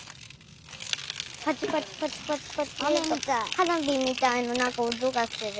はなびみたいななんかおとがする。